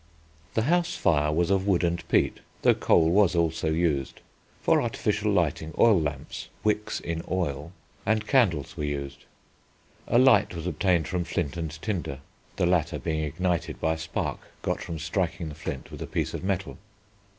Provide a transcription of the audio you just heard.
The house fire was of wood and peat, though coal was also used. For artificial lighting oil lamps (wicks in oil) and candles were used. A light was obtained from flint and tinder, the latter being ignited by a spark got from striking the flint with a piece of metal.